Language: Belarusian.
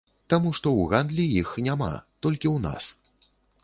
Таму што ў гандлі іх няма, толькі ў нас.